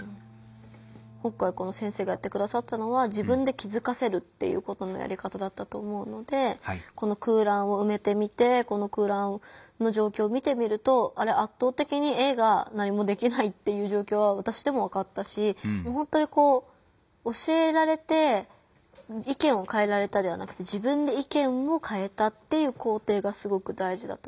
今回この先生がやってくださったのは自分で気づかせるっていうことのやり方だったと思うのでこの空欄をうめてみてこの空欄の状況を見てみると圧倒的にＡが何もできないっていう状況は私でもわかったしほんとにこう教えられて意見を変えられたではなくて自分で意見を変えたっていう工程がすごくだいじだと。